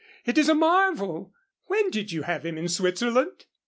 It is a marvel. When did you have him in Switzerland?